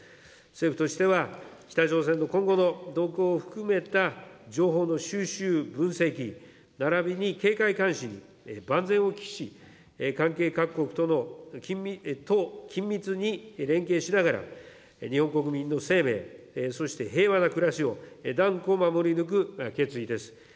政府としては、北朝鮮の今後の動向を含めた情報の収集、分析、ならびに警戒監視に万全を期し、関係各国と緊密に連携しながら、日本国民の生命、そして平和な暮らしを断固守り抜く決意です。